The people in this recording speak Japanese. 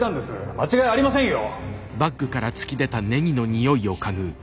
間違いありませんよ。